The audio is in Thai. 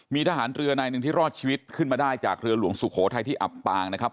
มีทหารเรือนายหนึ่งที่รอดชีวิตขึ้นมาได้จากเรือหลวงสุโขทัยที่อับปางนะครับ